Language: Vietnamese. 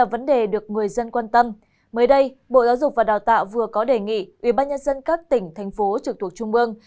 bộ giáo dục và đào tạo vừa có đề nghị ubnd các tỉnh thành phố trực thuộc trung ương